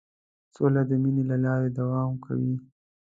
سوله د مینې له لارې دوام کوي.